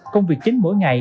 công việc chính mỗi ngày